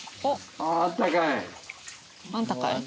「あんたかい」。